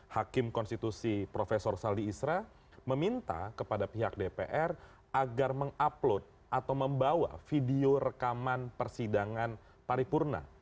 hakim konstitusi profesor saldi isra meminta kepada pihak dpr agar mengupload atau membawa video rekaman persidangan paripurna